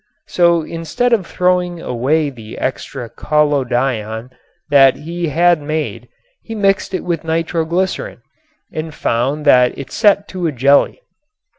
So instead of throwing away the extra collodion that he had made he mixed it with nitroglycerin and found that it set to a jelly.